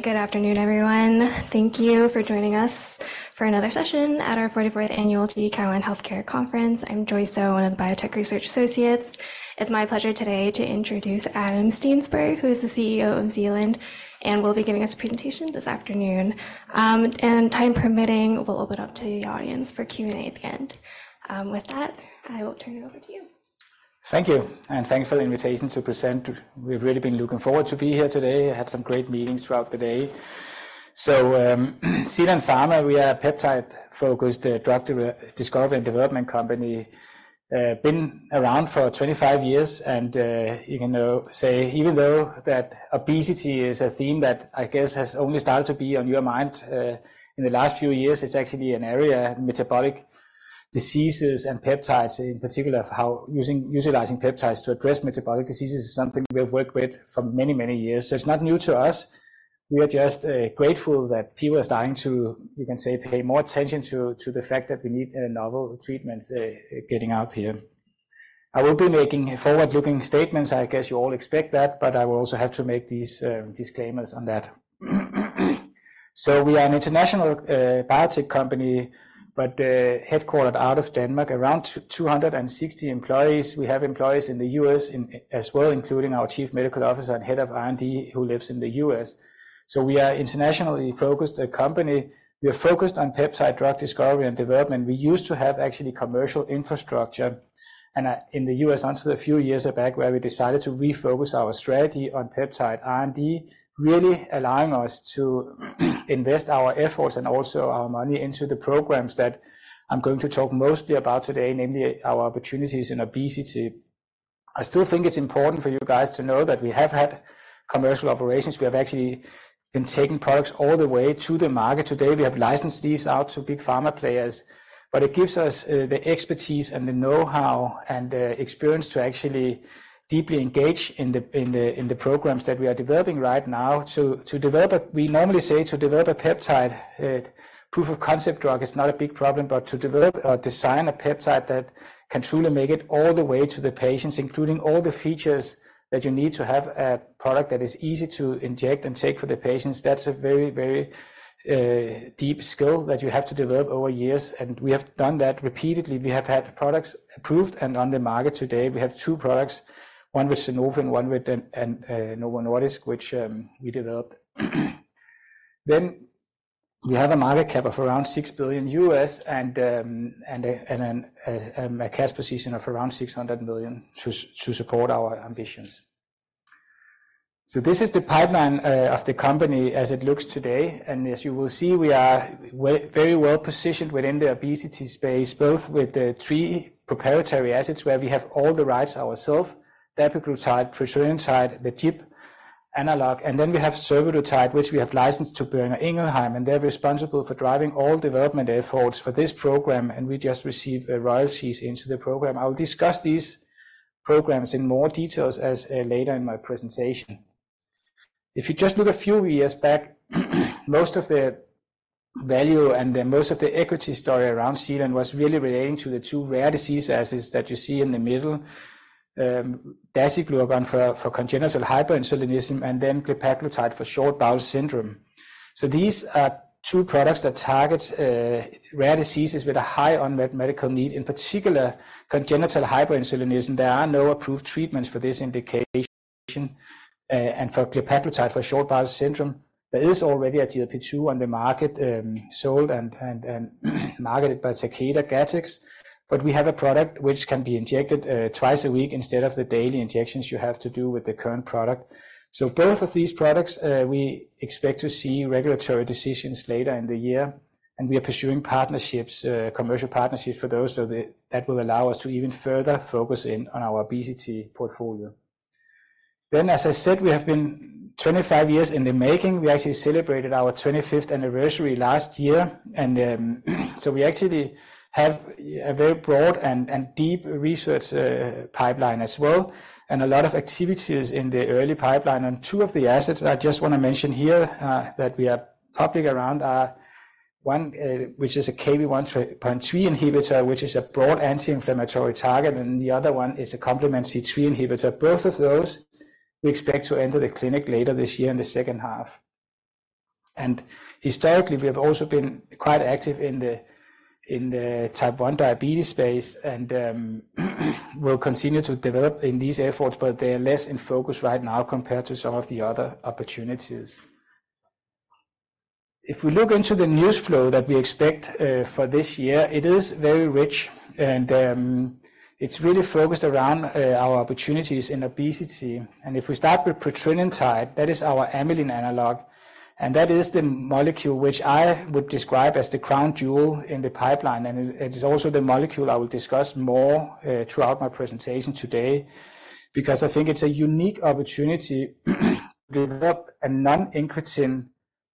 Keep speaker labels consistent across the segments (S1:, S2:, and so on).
S1: Good afternoon, everyone. Thank you for joining us for another session at our 44th Annual TD Cowen Healthcare Conference. I'm Joyce Zhou, one of the biotech research associates. It's my pleasure today to introduce Adam Steensberg, who is the CEO of Zealand, and will be giving us a presentation this afternoon. Time permitting, we'll open up to the audience for Q&A at the end. With that, I will turn it over to you.
S2: Thank you, and thanks for the invitation to present. We've really been looking forward to be here today, had some great meetings throughout the day. So, Zealand Pharma, we are a peptide-focused drug discovery and development company. Been around for 25 years, and, you can now say, even though that obesity is a theme that I guess has only started to be on your mind, in the last few years, it's actually an area, metabolic diseases and peptides, in particular, of how utilizing peptides to address metabolic diseases is something we have worked with for many, many years. So it's not new to us. We are just, grateful that people are starting to, you can say, pay more attention to, to the fact that we need, novel treatments, getting out here. I will be making forward-looking statements. I guess you all expect that, but I will also have to make these disclaimers on that. So we are an international biotech company, but headquartered out of Denmark, around 260 employees. We have employees in the U.S., as well, including our Chief Medical Officer and Head of R&D, who lives in the U.S. So we are internationally focused a company. We are focused on peptide drug discovery and development. We used to have actually commercial infrastructure, and in the US, until a few years back, where we decided to refocus our strategy on peptide R&D, really allowing us to invest our efforts and also our money into the programs that I'm going to talk mostly about today, namely our opportunities in obesity. I still think it's important for you guys to know that we have had commercial operations. We have actually been taking products all the way to the market. Today, we have licensed these out to big pharma players, but it gives us the expertise and the know-how and the experience to actually deeply engage in the programs that we are developing right now. To develop a peptide proof of concept drug is not a big problem, but to develop or design a peptide that can truly make it all the way to the patients, including all the features that you need to have a product that is easy to inject and take for the patients, that's a very, very deep skill that you have to develop over years, and we have done that repeatedly. We have had products approved and on the market today. We have two products, one with Sanofi and one with Novo Nordisk, which we developed. Then we have a market cap of around $6 billion and a cash position of around $600 million to support our ambitions. So this is the pipeline of the company as it looks today, and as you will see, we are very well positioned within the obesity space, both with the three proprietary assets, where we have all the rights ourselves: dapiglutide, petrelintide, the amylin analog. And then we have survodutide, which we have licensed to Boehringer Ingelheim, and they're responsible for driving all development efforts for this program, and we just received royalties into the program. I will discuss these programs in more details as later in my presentation. If you just look a few years back, most of the value and then most of the equity story around Zealand was really relating to the two rare disease assets that you see in the middle, dasiglucagon for congenital hyperinsulinism, and then glepaglutide for short bowel syndrome. So these are two products that targets rare diseases with a high unmet medical need, in particular, congenital hyperinsulinism. There are no approved treatments for this indication, and for glepaglutide for short bowel syndrome. There is already a GLP-2 on the market, sold and marketed by Takeda GATTEX, but we have a product which can be injected twice a week instead of the daily injections you have to do with the current product. So both of these products, we expect to see regulatory decisions later in the year, and we are pursuing partnerships, commercial partnerships for those, so that, that will allow us to even further focus in on our obesity portfolio. Then, as I said, we have been 25 years in the making. We actually celebrated our 25th anniversary last year, and, so we actually have a very broad and deep research pipeline as well, and a lot of activities in the early pipeline. And two of the assets I just want to mention here, that we are public around are one, which is a Kv1.3 inhibitor, which is a broad anti-inflammatory target, and the other one is a complement C3 inhibitor. Both of those, we expect to enter the clinic later this year in the second half. Historically, we have also been quite active in the type 1 diabetes space and will continue to develop in these efforts, but they are less in focus right now compared to some of the other opportunities. If we look into the news flow that we expect for this year, it is very rich, and it's really focused around our opportunities in obesity. If we start with petrelintide, that is our amylin analog, and that is the molecule which I would describe as the crown jewel in the pipeline. It is also the molecule I will discuss more throughout my presentation today, because I think it's a unique opportunity to develop a non-incretin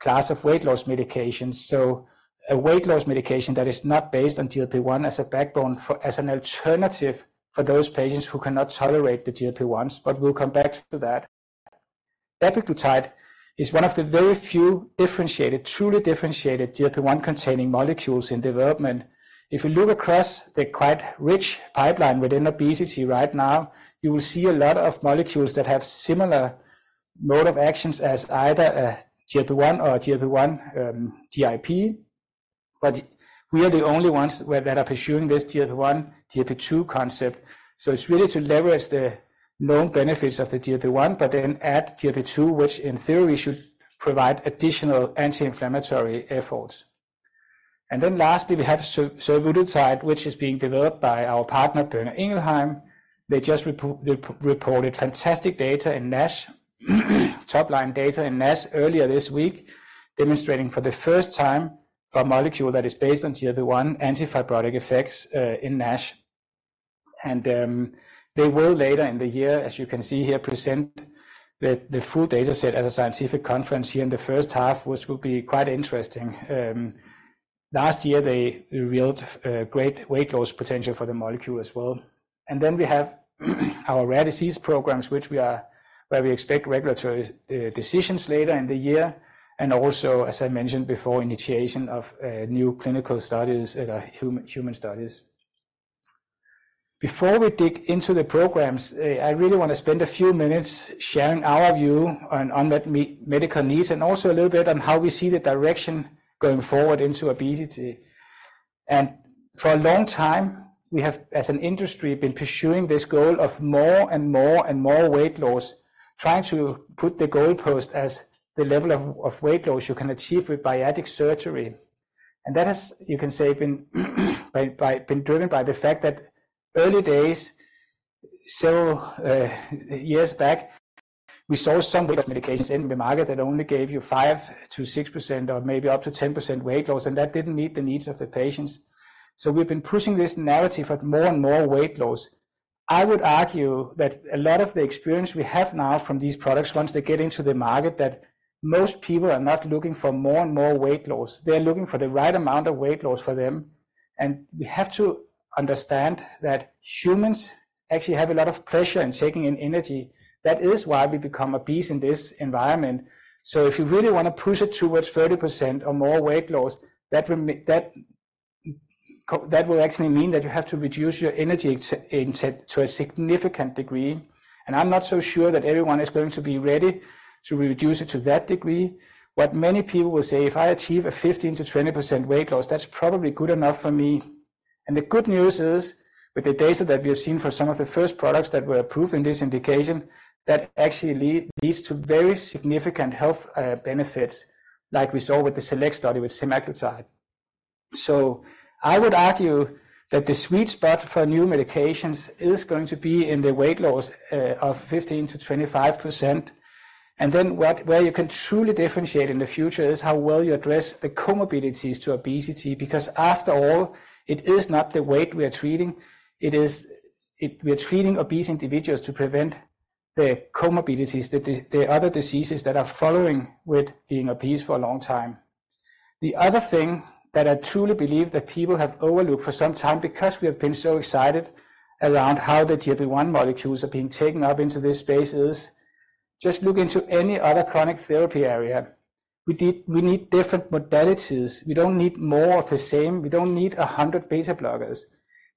S2: class of weight loss medications, so a weight loss medication that is not based on GLP-1 as a backbone as an alternative for those patients who cannot tolerate the GLP-1s, but we'll come back to that. Dapiglutide is one of the very few differentiated, truly differentiated, GLP-1 containing molecules in development. If you look across the quite rich pipeline within obesity right now, you will see a lot of molecules that have similar mode of actions as either a GLP-1 or a GLP-1, GIP. But we are the only ones that are pursuing this GLP-1, GLP-2 concept. So it's really to leverage the known benefits of the GLP-1, but then add GLP-2, which in theory should provide additional anti-inflammatory efforts. And then lastly, we have survodutide, which is being developed by our partner, Boehringer Ingelheim. They just reported fantastic data in NASH, top-line data in NASH earlier this week, demonstrating for the first time a molecule that is based on GLP-1 anti-fibrotic effects in NASH. And they will, later in the year, as you can see here, present the full data set at a scientific conference here in the first half, which will be quite interesting. Last year, they revealed great weight loss potential for the molecule as well. And then we have our rare disease programs, where we expect regulatory decisions later in the year, and also, as I mentioned before, initiation of new clinical studies, human studies. Before we dig into the programs, I really want to spend a few minutes sharing our view on the medical needs and also a little bit on how we see the direction going forward into obesity. For a long time, we have, as an industry, been pursuing this goal of more and more and more weight loss, trying to put the goalpost as the level of weight loss you can achieve with bariatric surgery. That has, you can say, been driven by the fact that early days, several years back, we saw some weight loss medications in the market that only gave you 5%-6% or maybe up to 10% weight loss, and that didn't meet the needs of the patients. So we've been pushing this narrative of more and more weight loss. I would argue that a lot of the experience we have now from these products, once they get into the market, that most people are not looking for more and more weight loss. They are looking for the right amount of weight loss for them, and we have to understand that humans actually have a lot of pressure in taking in energy. That is why we become obese in this environment. So if you really want to push it towards 30% or more weight loss, that will actually mean that you have to reduce your energy intake to a significant degree. And I'm not so sure that everyone is going to be ready to reduce it to that degree. What many people will say, "If I achieve a 15%-20% weight loss, that's probably good enough for me." And the good news is, with the data that we have seen for some of the first products that were approved in this indication, that actually leads to very significant health benefits, like we saw with the SELECT study with semaglutide. So I would argue that the sweet spot for new medications is going to be in the weight loss of 15%-25%. And then where you can truly differentiate in the future is how well you address the comorbidities to obesity, because after all, it is not the weight we are treating. It is we are treating obese individuals to prevent the comorbidities, the other diseases that are following with being obese for a long time. The other thing that I truly believe that people have overlooked for some time because we have been so excited around how the GLP-1 molecules are being taken up into this space is, just look into any other chronic therapy area. We need, we need different modalities. We don't need more of the same. We don't need a hundred beta blockers.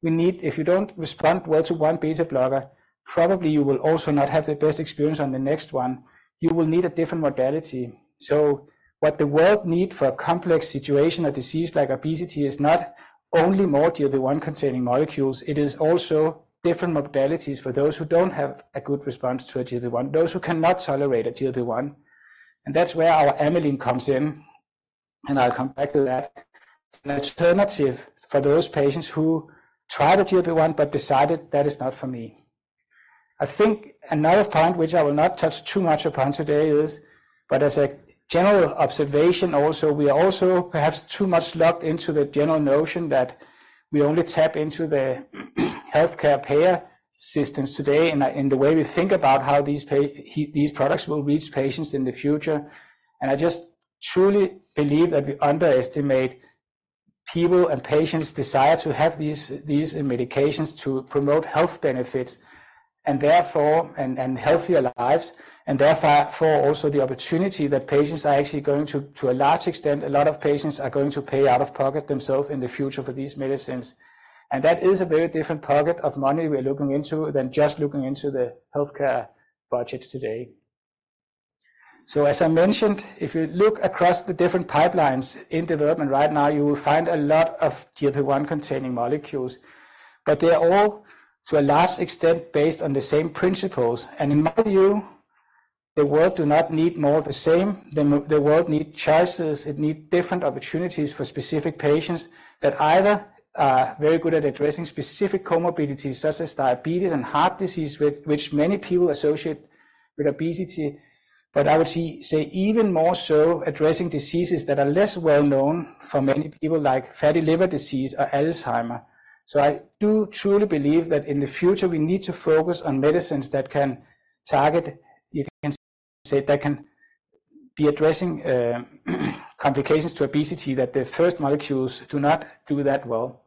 S2: We need. If you don't respond well to one beta blocker, probably you will also not have the best experience on the next one. You will need a different modality. So what the world need for a complex situation, a disease like obesity, is not only more GLP-1 containing molecules, it is also different modalities for those who don't have a good response to a GLP-1, those who cannot tolerate a GLP-1. And that's where our amylin comes in, and I'll come back to that. An alternative for those patients who tried a GLP-1 but decided, "That is not for me." I think another point, which I will not touch too much upon today, is but as a general observation, we are perhaps too much locked into the general notion that we only tap into the healthcare payer systems today and in the way we think about how these products will reach patients in the future. And I just truly believe that we underestimate people and patients' desire to have these medications to promote health benefits, and therefore healthier lives, and therefore also the opportunity that patients are actually going to a large extent, a lot of patients are going to pay out of pocket themselves in the future for these medicines. And that is a very different pocket of money we're looking into than just looking into the healthcare budgets today. So as I mentioned, if you look across the different pipelines in development right now, you will find a lot of GLP-1 containing molecules, but they are all, to a large extent, based on the same principles. And in my view, the world do not need more of the same. The world need choices, it need different opportunities for specific patients that either are very good at addressing specific comorbidities such as diabetes and heart disease, which many people associate with obesity, but I would see, say, even more so, addressing diseases that are less well known for many people, like fatty liver disease or Alzheimer. So I do truly believe that in the future, we need to focus on medicines that can target, you can say, that can be addressing complications to obesity, that the first molecules do not do that well.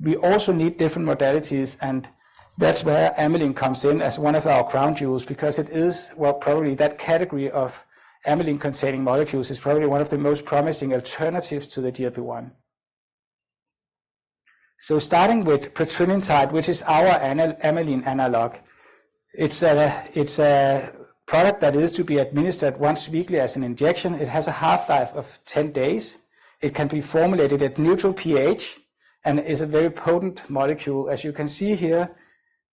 S2: We also need different modalities, and that's where amylin comes in as one of our crown jewels, because it is, well, probably that category of amylin-containing molecules is probably one of the most promising alternatives to the GLP-1. So starting with petrelintide, which is our amylin analog, it's a, it's a product that is to be administered once weekly as an injection. It has a half-life of 10 days. It can be formulated at neutral pH and is a very potent molecule. As you can see here,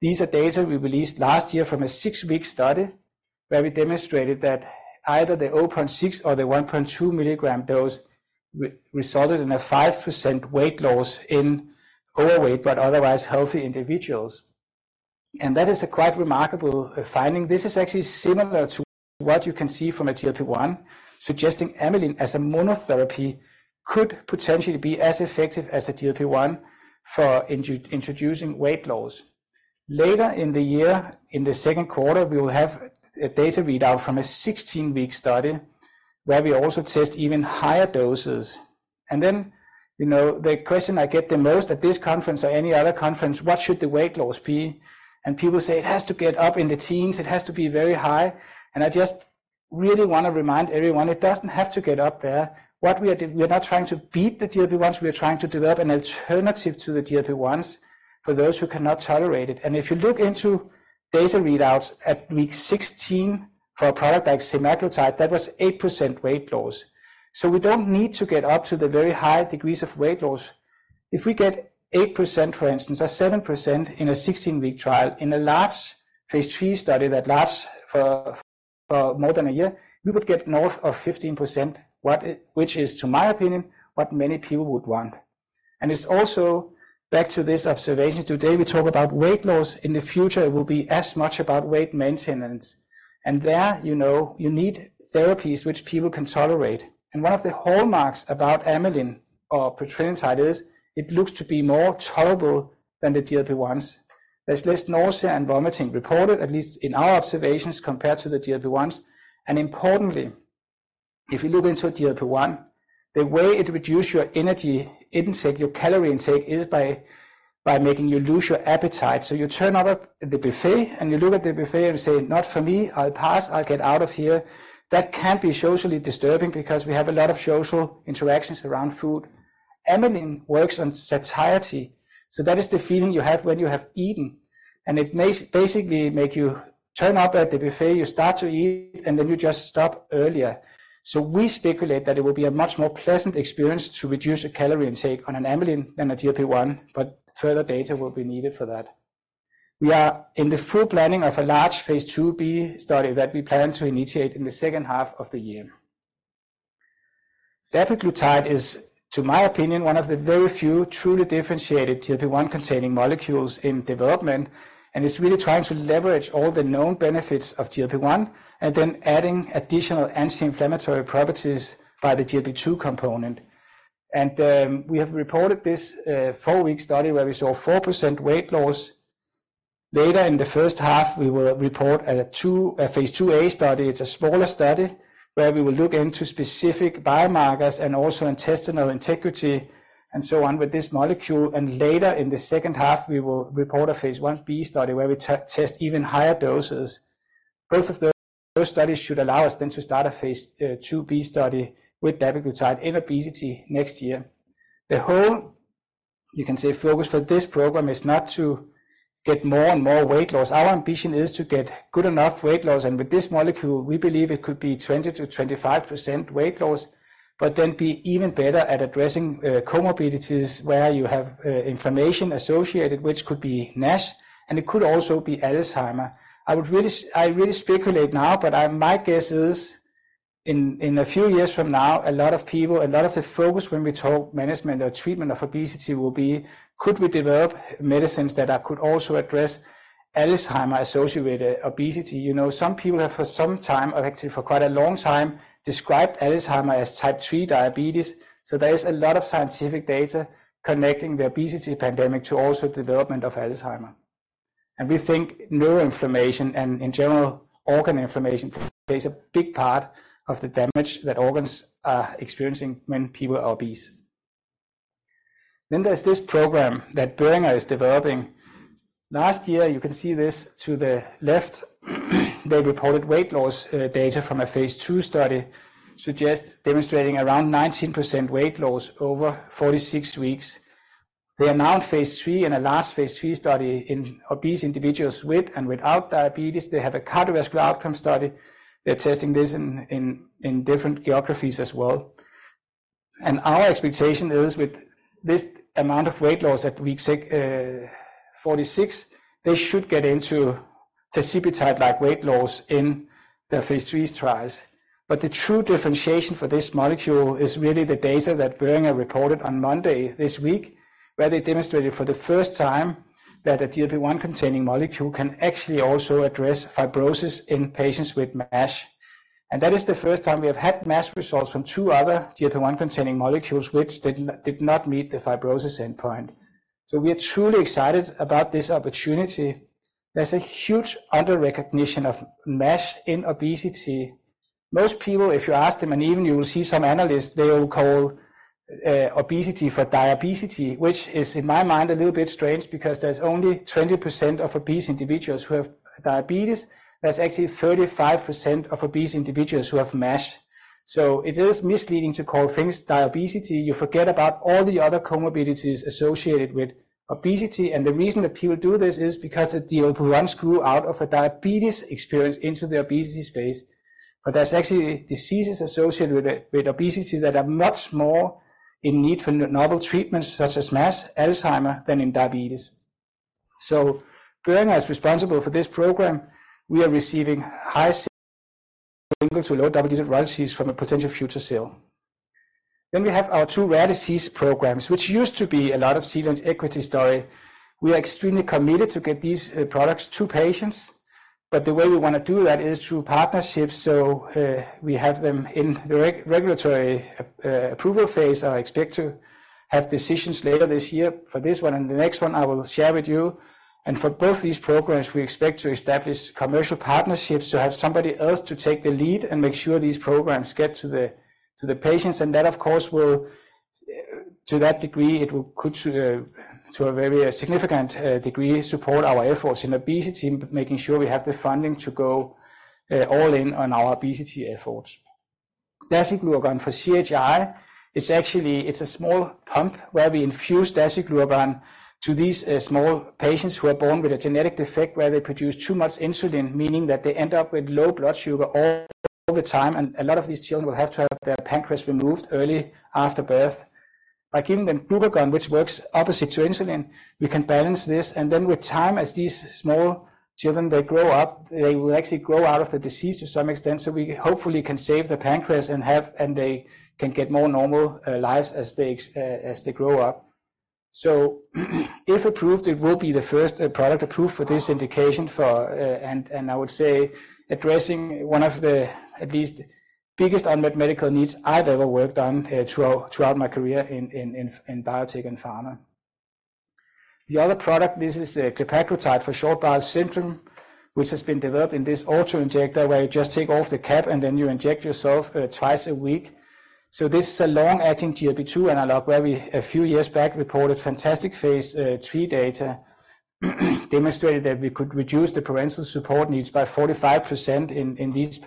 S2: these are data we released last year from a six-week study, where we demonstrated that either the 0.6 mg or the 1.2 mg dose resulted in a 5% weight loss in overweight but otherwise healthy individuals. That is a quite remarkable finding. This is actually similar to what you can see from a GLP-1, suggesting amylin as a monotherapy could potentially be as effective as a GLP-1 for introducing weight loss. Later in the year, in the second quarter, we will have a data readout from a 16-week study, where we also test even higher doses. Then, you know, the question I get the most at this conference or any other conference: What should the weight loss be? People say, "It has to get up in the teens, it has to be very high." I just really want to remind everyone, it doesn't have to get up there. What we are doing, we are not trying to beat the GLP-1s, we are trying to develop an alternative to the GLP-1s for those who cannot tolerate it. If you look into data readouts at week 16 for a product like semaglutide, that was 8% weight loss. So we don't need to get up to the very high degrees of weight loss. If we get 8%, for instance, or 7% in a 16-week trial, in a large phase III study that lasts for, for more than a year, we would get north of 15%, which is, to my opinion, what many people would want. It's also back to this observation, today, we talk about weight loss. In the future, it will be as much about weight maintenance. And there, you know, you need therapies which people can tolerate. And one of the hallmarks about amylin or petrelintide is it looks to be more tolerable than the GLP-1s. There's less nausea and vomiting reported, at least in our observations, compared to the GLP-1s. And importantly, if you look into a GLP-1, the way it reduce your energy intake, your calorie intake, is by making you lose your appetite. So you turn up at the buffet, and you look at the buffet and say, "Not for me, I'll pass. I'll get out of here." That can be socially disturbing because we have a lot of social interactions around food. Amylin works on satiety, so that is the feeling you have when you have eaten, and it may basically make you turn up at the buffet, you start to eat, and then you just stop earlier. So we speculate that it will be a much more pleasant experience to reduce your calorie intake on an amylin than a GLP-1, but further data will be needed for that. We are in the full planning of a large phase II-B study that we plan to initiate in the second half of the year. Dapiglutide is, to my opinion, one of the very few truly differentiated GLP-1 containing molecules in development, and it's really trying to leverage all the known benefits of GLP-1 and then adding additional anti-inflammatory properties by the GLP-2 component. And, we have reported this four-week study where we saw 4% weight loss. Later in the first half, we will report a phase II-A study. It's a smaller study, where we will look into specific biomarkers and also intestinal integrity and so on with this molecule. Later in the second half, we will report a phase I-B study, where we test even higher doses. Both of those studies should allow us then to start a phase II-B study with dapiglutide in obesity next year. The whole, you can say, focus for this program is not to get more and more weight loss. Our ambition is to get good enough weight loss, and with this molecule, we believe it could be 20%-25% weight loss, but then be even better at addressing comorbidities where you have inflammation associated, which could be NASH, and it could also be Alzheimer. I would really speculate now, but my guess is in a few years from now, a lot of people, a lot of the focus when we talk management or treatment of obesity will be, could we develop medicines that are could also address Alzheimer's-associated obesity? You know, some people have for some time, or actually for quite a long time, described Alzheimer's as type 3 diabetes. So there is a lot of scientific data connecting the obesity pandemic to also development of Alzheimer's. And we think neuroinflammation, and in general, organ inflammation, plays a big part of the damage that organs are experiencing when people are obese. Then there's this program that Boehringer is developing. Last year, you can see this to the left, they reported weight loss data from a phase II study, suggesting demonstrating around 19% weight loss over 46 weeks. They are now in phase III and a last phase III study in obese individuals with and without diabetes. They have a cardiovascular outcome study. They're testing this in different geographies as well. And our expectation is with this amount of weight loss at week 46, they should get into tirzepatide-like weight loss in the phase III trials. But the true differentiation for this molecule is really the data that Boehringer reported on Monday this week, where they demonstrated for the first time that a GLP-1 containing molecule can actually also address fibrosis in patients with MASH. And that is the first time we have had MASH results from two other GLP-1 containing molecules, which did not meet the fibrosis endpoint. So we are truly excited about this opportunity. There's a huge underrecognition of MASH in obesity. Most people, if you ask them, and even you will see some analysts, they will call obesity for diabesity, which is, in my mind, a little bit strange because there's only 20% of obese individuals who have diabetes. There's actually 35% of obese individuals who have MASH. So it is misleading to call things diabesity. You forget about all the other comorbidities associated with obesity. Obesity, and the reason that people do this is because the GLP-1 grew out of a diabetes experience into the obesity space. But there's actually diseases associated with obesity that are much more in need for novel treatments, such as NASH, Alzheimer's, than in diabetes. So Boehringer is responsible for this program. We are receiving high-single to low double-digit royalties from a potential future sale. Then we have our two rare disease programs, which used to be a lot of Zealand's equity story. We are extremely committed to get these products to patients, but the way we wanna do that is through partnerships. So we have them in the regulatory approval phase, I expect to have decisions later this year for this one, and the next one I will share with you. And for both these programs, we expect to establish commercial partnerships to have somebody else to take the lead and make sure these programs get to the patients. And that, of course, will to that degree could to a very significant degree support our efforts in obesity, making sure we have the funding to go all in on our obesity efforts. Dasiglucagon for CHI, it's actually a small pump where we infuse dasiglucagon to these small patients who are born with a genetic defect, where they produce too much insulin, meaning that they end up with low blood sugar all the time, and a lot of these children will have to have their pancreas removed early after birth. By giving them glucagon, which works opposite to insulin, we can balance this, and then with time, as these small children, they grow up, they will actually grow out of the disease to some extent, so we hopefully can save the pancreas and have and they can get more normal lives as they grow up. So, if approved, it will be the first product approved for this indication, and I would say, addressing one of the at least biggest unmet medical needs I've ever worked on throughout my career in biotech and pharma. The other product, this is glepaglutide for short bowel syndrome, which has been developed in this auto-injector, where you just take off the cap, and then you inject yourself twice a week. So this is a long-acting GLP-2 analog, where we, a few years back, reported fantastic phase III data, demonstrated that we could reduce the parenteral support needs by 45% in these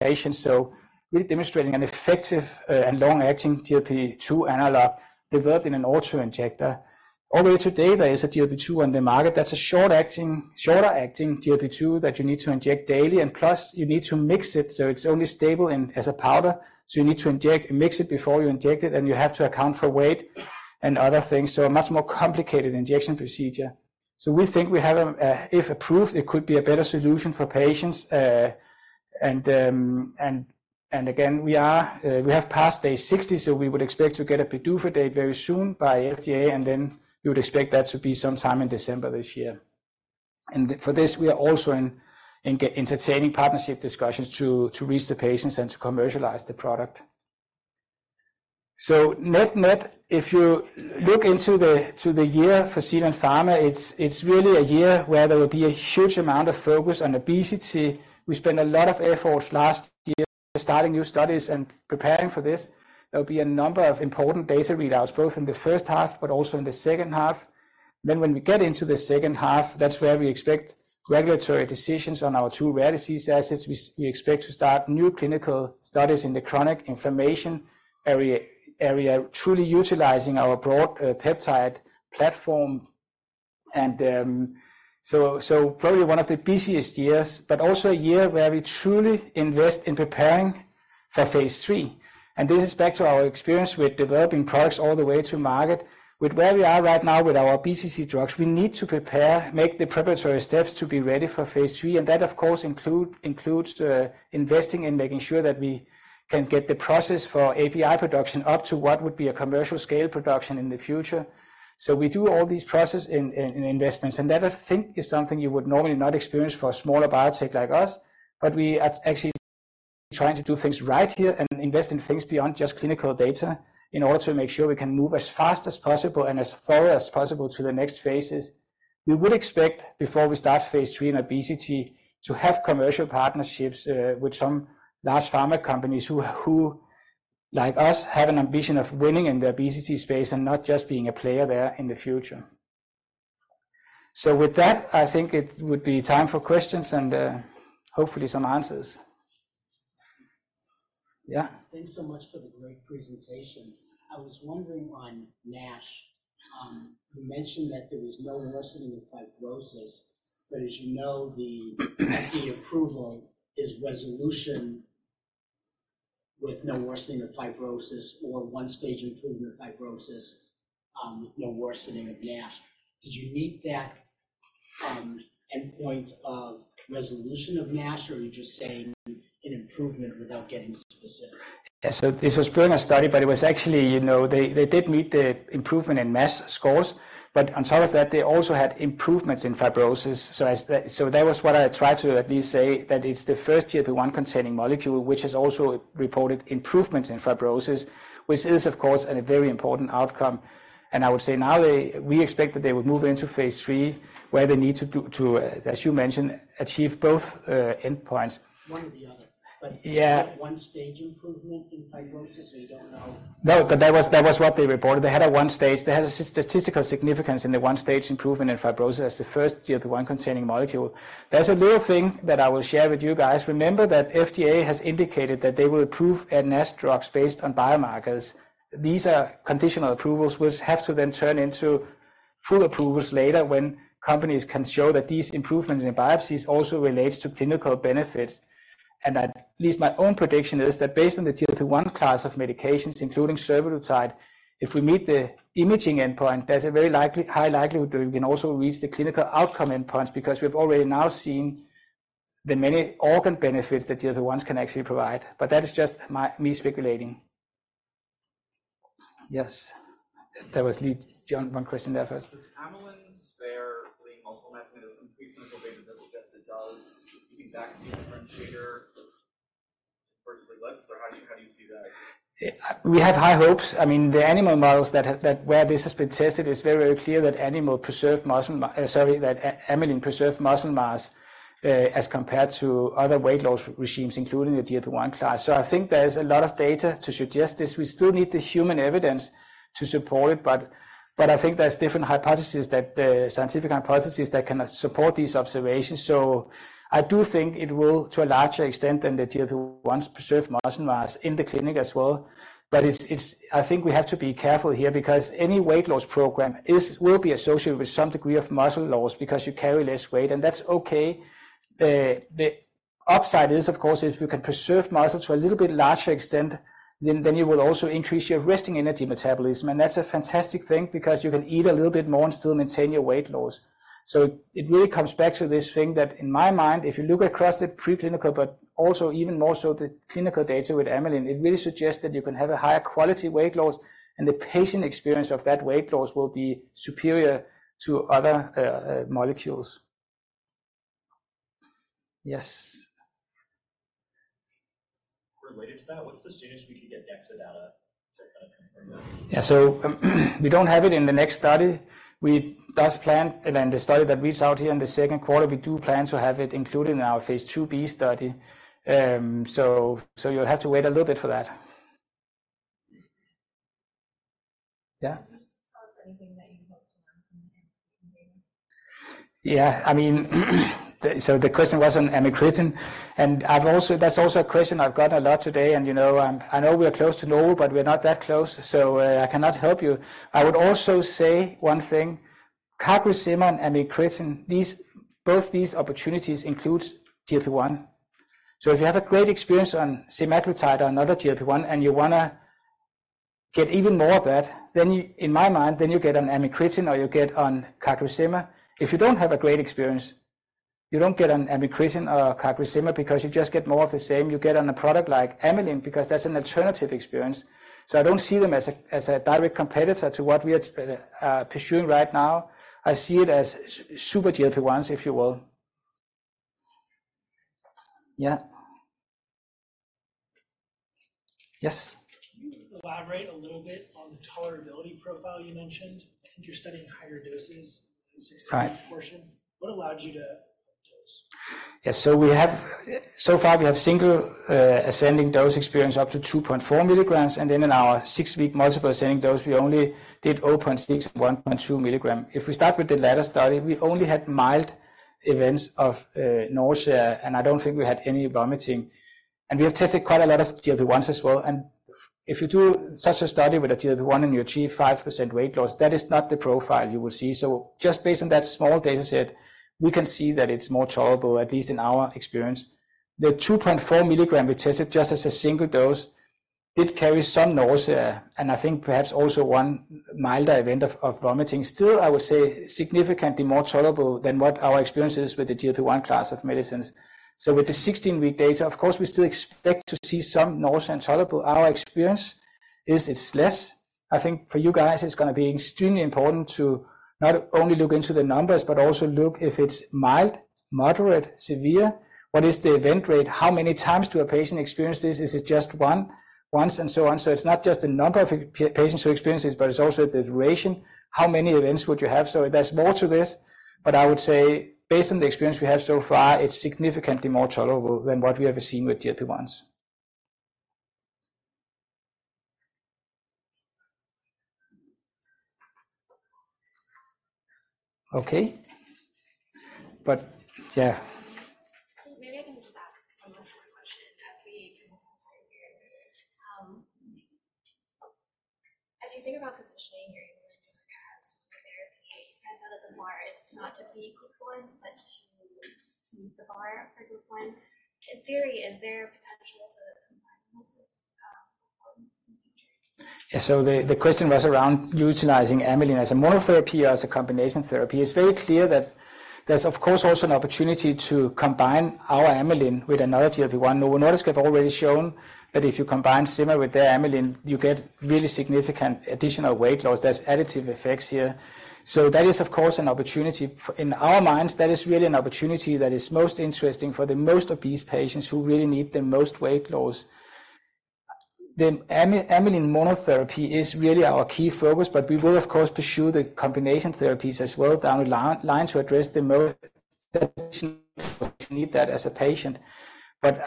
S2: patients. So we're demonstrating an effective and long-acting GLP-2 analog developed in an auto-injector. Already today, there is a GLP-2 on the market that's a short-acting, shorter-acting GLP-2 that you need to inject daily, and plus, you need to mix it, so it's only stable as a powder. So you need to inject, mix it before you inject it, and you have to account for weight and other things. So a much more complicated injection procedure. So we think we have, if approved, it could be a better solution for patients, and again, we have passed day 60, so we would expect to get a PDUFA date very soon by FDA, and then you would expect that to be sometime in December this year. For this, we are also entertaining partnership discussions to reach the patients and to commercialize the product. Net-net, if you look into the year for Zealand Pharma, it's really a year where there will be a huge amount of focus on obesity. We spent a lot of efforts last year starting new studies and preparing for this. There will be a number of important data readouts, both in the first half, but also in the second half. Then when we get into the second half, that's where we expect regulatory decisions on our two rare disease assets. We expect to start new clinical studies in the chronic inflammation area truly utilizing our broad peptide platform. And probably one of the busiest years, but also a year where we truly invest in preparing for phase III. And this is back to our experience with developing products all the way to market. With where we are right now with our obesity drugs, we need to prepare, make the preparatory steps to be ready for phase III, and that, of course, includes investing in making sure that we can get the process for API production up to what would be a commercial scale production in the future. So we do all these processes in investments, and that I think is something you would normally not experience for a smaller biotech like us, but we are actually trying to do things right here and invest in things beyond just clinical data in order to make sure we can move as fast as possible and as far as possible to the next phases. We would expect, before we start phase III in obesity, to have commercial partnerships with some large pharma companies who, like us, have an ambition of winning in the obesity space and not just being a player there in the future. So with that, I think it would be time for questions and, hopefully, some answers. Yeah?
S3: Thanks so much for the great presentation. I was wondering on NASH, you mentioned that there was no worsening of fibrosis, but as you know, the approval is resolution with no worsening of fibrosis or one-stage improvement of fibrosis, with no worsening of NASH. Did you meet that endpoint of resolution of NASH, or are you just saying an improvement without getting specific?
S2: So this was pretty much studied, but it was actually, you know, they, they did meet the improvement in NASH scores, but on top of that, they also had improvements in fibrosis. So that was what I tried to at least say, that it's the first GLP-1 containing molecule, which has also reported improvements in fibrosis, which is, of course, a very important outcome. And I would say now we expect that they would move into phase III, where they need to, as you mentioned, achieve both endpoints.
S3: One or the other.
S2: Yeah.
S3: But one stage improvement in fibrosis, or you don't know?
S2: No, but that was, that was what they reported. They had a one-stage. They had a statistical significance in the one-stage improvement in fibrosis, the first GLP-1 containing molecule. There's a little thing that I will share with you guys. Remember that FDA has indicated that they will approve a NASH drugs based on biomarkers. These are conditional approvals, which have to then turn into full approvals later when companies can show that these improvements in biopsies also relates to clinical benefits. And at least my own prediction is that based on the GLP-1 class of medications, including tirzepatide, if we meet the imaging endpoint, there's a very likely, high likelihood we can also reach the clinical outcome endpoints because we've already now seen the many organ benefits that GLP-1s can actually provide. But that is just my, me speculating. Yes, there was Lee, John, one question there first.
S4: Does amylin spare lean muscle mass? I mean, there's some preclinical data that suggests it does, speaking back to the differentiator versus GLP. So how do you, how do you see that?
S2: We have high hopes. I mean, the animal models that where this has been tested, it's very, very clear that amylin preserve muscle mass, sorry, as compared to other weight loss regimes, including the GLP-1 class. So I think there's a lot of data to suggest this. We still need the human evidence to support it, but I think there's different hypothesis that scientific hypothesis that can support these observations. So I do think it will, to a larger extent than the GLP-1s, preserve muscle mass in the clinic as well. But it's, I think we have to be careful here because any weight loss program is, will be associated with some degree of muscle loss because you carry less weight, and that's okay. The upside is, of course, if you can preserve muscle to a little bit larger extent, then you will also increase your resting energy metabolism. And that's a fantastic thing because you can eat a little bit more and still maintain your weight loss. So it really comes back to this thing that in my mind, if you look across the preclinical, but also even more so the clinical data with amylin, it really suggests that you can have a higher quality weight loss, and the patient experience of that weight loss will be superior to other molecules. Yes?
S4: Related to that, what's the soonest we can get next data from that?
S2: Yeah, so we don't have it in the next study. We thus plan, and then the study that reads out here in the second quarter, we do plan to have it included in our phase II-B study. So you'll have to wait a little bit for that. Yeah?
S5: Can you just tell us anything that you hope to learn from the data?
S2: Yeah, I mean, so the question was on amycretin, and I've also-- that's also a question I've gotten a lot today, and, you know, I know we are close to know, but we're not that close, so, I cannot help you. I would also say one thing, CagriSema and amycretin, these, both these opportunities include GLP-1. So if you have a great experience on semaglutide or another GLP-1, and you wanna get even more of that, then you, in my mind, then you get on amycretin, or you get on CagriSema. If you don't have a great experience, you don't get on amycretin or CagriSema because you just get more of the same. You get on a product like amylin because that's an alternative experience. So I don't see them as a, as a direct competitor to what we are pursuing right now. I see it as super GLP-1s, if you will. Yeah. Yes?
S6: Can you elaborate a little bit on the tolerability profile you mentioned? I think you're studying higher doses in six-week portion. What allowed you to up the dose?
S2: Yes, so we have so far, we have single ascending dose experience up to 2.4 mg, and then in our six-week multiple ascending dose, we only did 0.6 mg, 1.2 mg. If we start with the latter study, we only had mild events of nausea, and I don't think we had any vomiting. And we have tested quite a lot of GLP-1s as well, and if you do such a study with a GLP-1, and you achieve 5% weight loss, that is not the profile you will see. So just based on that small data set, we can see that it's more tolerable, at least in our experience. The 2.4 mg we tested just as a single dose did carry some nausea, and I think perhaps also one milder event of vomiting. Still, I would say significantly more tolerable than what our experience is with the GLP-1 class of medicines. So with the 16-week data, of course, we still expect to see some nausea intolerable. Our experience is it's less. I think for you guys, it's gonna be extremely important to not only look into the numbers but also look if it's mild, moderate, severe. What is the event rate? How many times do a patient experience this? Is it just one, once, and so on. So it's not just the number of patients who experience this, but it's also the duration. How many events would you have? So there's more to this, but I would say based on the experience we have so far, it's significantly more tolerable than what we ever seen with GLP-1s. Okay, but yeah.
S1: Maybe I can just ask one more question as we kind of hear. As you think about positioning your amylin monotherapy as out of the bars, not to be equal to one, but to the bar for group one, in theory, is there a potential to combine muscle performance in the future?
S2: Yeah. So the question was around utilizing amylin as a monotherapy, as a combination therapy. It's very clear that there's, of course, also an opportunity to combine our amylin with another GLP-1. Novo Nordisk have already shown that if you combine CagriSema with the amylin, you get really significant additional weight loss. There's additive effects here. So that is, of course, an opportunity. In our minds, that is really an opportunity that is most interesting for the most obese patients who really need the most weight loss. The amylin monotherapy is really our key focus, but we will, of course, pursue the combination therapies as well down the line to address the most patients who need that as a patient. But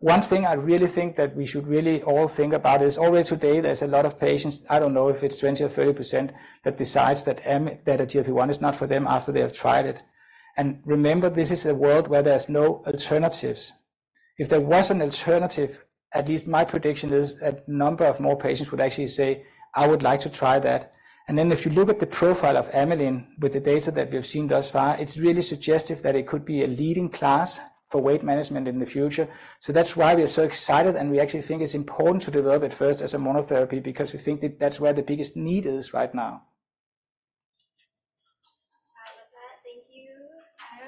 S2: one thing I really think that we should really all think about is already today, there's a lot of patients, I don't know if it's 20 or 30%, that decides that a GLP-1 is not for them after they have tried it. And remember, this is a world where there's no alternatives. If there was an alternative, at least my prediction is a number of more patients would actually say, "I would like to try that." And then if you look at the profile of amylin with the data that we've seen thus far, it's really suggestive that it could be a leading class for weight management in the future. So that's why we are so excited, and we actually think it's important to develop it first as a monotherapy because we think that that's where the biggest need is right now.
S1: With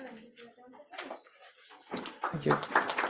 S1: that, thank you.
S2: Thank you.